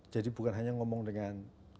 jadi bukan hanya ngomong dengan